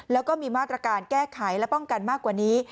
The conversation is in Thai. แล้วก็มีมาตรการแก้ไขและป้องกันมากกว่านี้